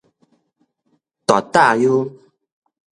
大塔悠